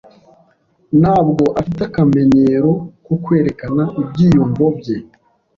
Ntabwo afite akamenyero ko kwerekana ibyiyumvo bye.